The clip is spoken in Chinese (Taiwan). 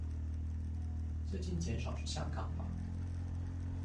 最近減少去香港吧！